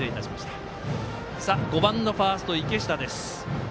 ５番のファースト池下です。